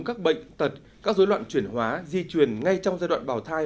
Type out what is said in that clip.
các bệnh tật các dối loạn chuyển hóa di chuyển ngay trong giai đoạn bào thai